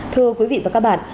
thưa quý vị và các bạn